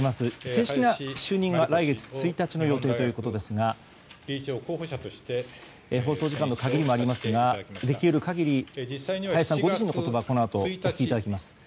正式な就任が来月１日の予定ですが放送時間の限りもありますができる限り林さんご自身の言葉をこのあとお聞きいただきます。